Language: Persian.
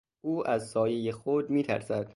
او از سایهٔ خود میترسد.